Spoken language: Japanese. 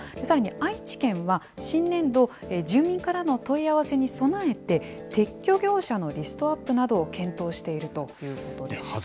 さらに愛知県は、新年度、住民からの問い合わせに備えて、撤去業者のリストアップなどを検討しているということです。